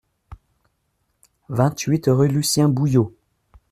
vingt-huit rue Lucien-Bouillot